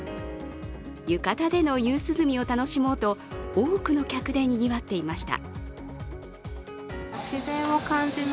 浴衣での夕涼みを楽しもうと多くの客でにぎわっていました。